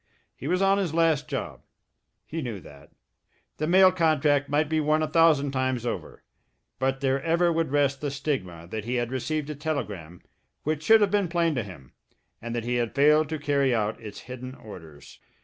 He was on his last job he knew that. The mail contract might be won a thousand times over, but there ever would rest the stigma that he had received a telegram which should have been plain to him, and that he had failed to carry out its hidden orders.